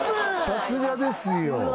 さすがですよ